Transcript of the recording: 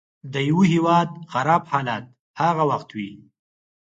د یوه هیواد خراب حالت هغه وخت وي.